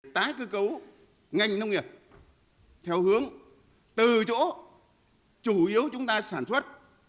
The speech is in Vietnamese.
tái cơ cấu ngành nông nghiệp theo hướng từ chỗ chủ yếu chúng ta sản xuất